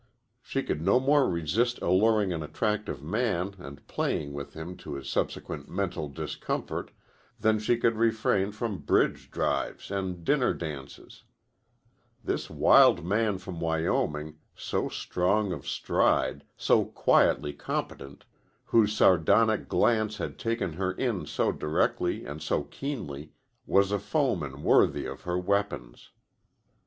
She could no more resist alluring an attractive man and playing with him to his subsequent mental discomfort than she could refrain from bridge drives and dinner dances. This Wild Man from Wyoming, so strong of stride, so quietly competent, whose sardonic glance had taken her in so directly and so keenly, was a foeman worthy of her weapons.